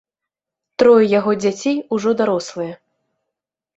Трое яго дзяцей ужо дарослыя.